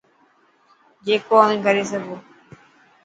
جڪو اوهين ڪري سگو.